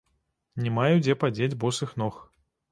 Не маю дзе падзець босых ног.